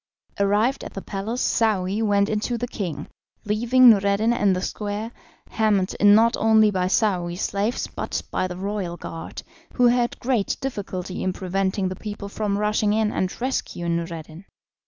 Arrived at the palace, Saouy went in to the king, leaving Noureddin in the square, hemmed in not only by Saouy's slaves but by the royal guard, who had great difficulty in preventing the people from rushing in and rescuing Noureddin.